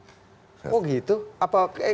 ini jangan jangan maksud dia kepada partai kualitas dia